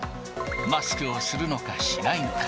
マスクをするのか、しないのか。